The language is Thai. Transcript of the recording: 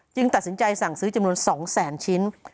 จึงตัดสินใจสั่งซื้อจำนวน๒๐๐๐๐๐ชิ้น